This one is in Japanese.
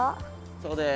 そうです。